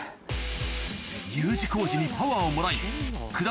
Ｕ字工事にパワーをもらい九團